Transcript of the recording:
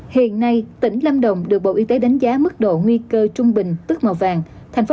hiện nay tỉnh lâm đồng được bộ y tế đánh giá mức độ nguy cơ trung bình tức màu vàng